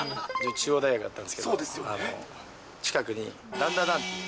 中央大学だったんですけど、近くにダンダダンっていう。